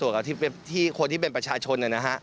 กับคนที่เป็นประชาชน